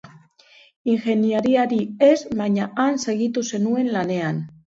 Ingeniari ez, baina han segitu zenuen lanean.